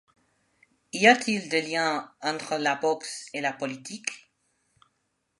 Y a-t-il des liens entre la boxe et la politique?